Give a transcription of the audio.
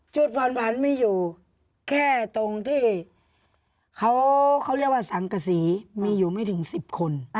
ผ่อนผันไม่อยู่แค่ตรงที่เขาเรียกว่าสังกษีมีอยู่ไม่ถึง๑๐คน